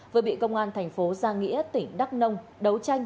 vừa bị công an thành phố giang nghĩa tỉnh đắk nông đấu tranh